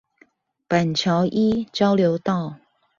板橋一交流道